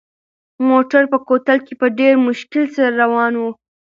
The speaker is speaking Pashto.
موټر په کوتل کې په ډېر مشکل سره روان و.